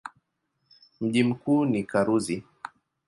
Mji mkuu ni Karuzi.